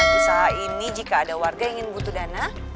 dan usaha ini jika ada warga yang akan butuh dana